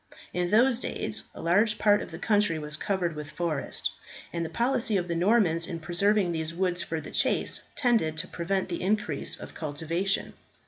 In those days a large part of the country was covered with forest, and the policy of the Normans in preserving these woods for the chase, tended to prevent the increase of cultivation.